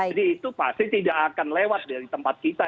jadi itu pasti tidak akan lewat dari tempat kita